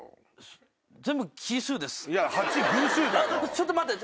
ちょっと待って！